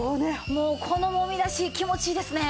もうこのもみ出し気持ちいいですね。